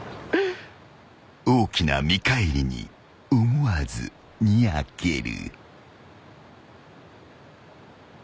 ［大きな見返りに思わずにやける］